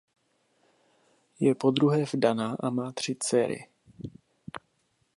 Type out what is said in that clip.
Je podruhé vdaná a má tři dcery.